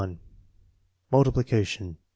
81 Multiplication 5.